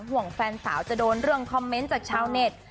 ห่วงแฟนสาวจะโดนเรื่องคอมเมนต์จากชาวเน็ต